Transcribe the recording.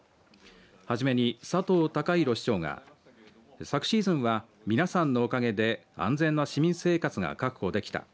はじめに佐藤孝弘市長が昨シーズンは皆さんのおかげで安全な市民生活が確保できた。